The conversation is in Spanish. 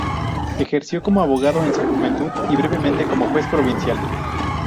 Ejerció como abogado en su juventud, y brevemente como juez provincial.